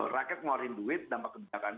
rakyat ngeluarin duit dampak kebijakan